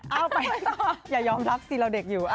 เอาไปอย่ายอมรับสิเราเด็กอยู่